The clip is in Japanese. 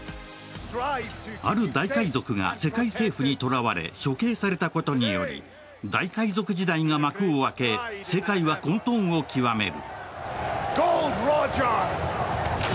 ある大海賊が世界政府にとらわれ、処刑されたことにより大海賊時代が幕を開け、世界は混とんを極める。